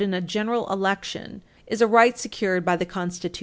662 in a general election, is a right secured by the Constitution.